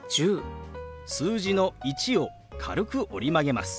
数字の「１」を軽く折り曲げます。